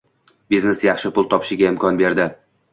Biznes yaxshi pul topishiga imkon berdi.